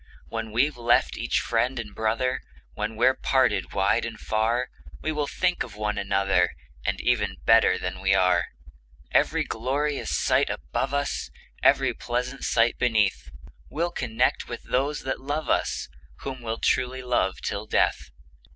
When we've left each friend and brother, When we're parted wide and far, We will think of one another, As even better than we are. Every glorious sight above us, Every pleasant sight beneath, We'll connect with those that love us, Whom we truly love till death!